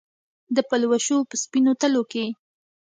د پلوشو په سپینو تلو کې